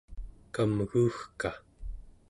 kamguugka